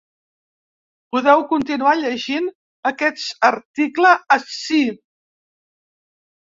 Podeu continuar llegint aquest article ací.